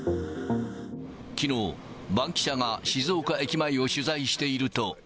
きのう、バンキシャが静岡駅前を取材していると。